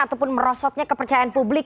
ataupun merosotnya kepercayaan publik